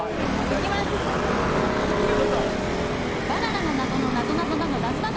バナナの謎のなぞ。